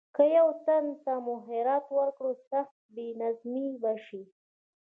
که یو تن ته مو خیرات ورکړ سخت بې نظمي به شي.